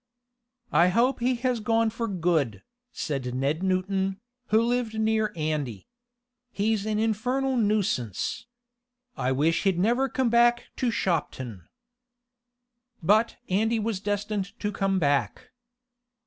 "I hope he has gone for good," said Ned Newton, who lived near Andy. "He's an infernal nuisance. I wish he'd never come back to Shopton." But Andy was destined to come back.